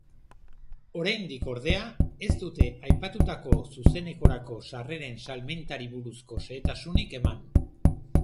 Oraindik, ordea, ez dute aipatutako zuzenekorako sarreren salmentari buruzko xehetasunik eman.